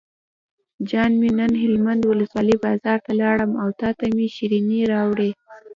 جان مې نن هلمند ولسوالۍ بازار ته لاړم او تاته مې شیرینۍ راوړې.